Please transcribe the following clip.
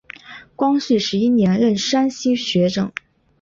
光绪十一年任山西学政。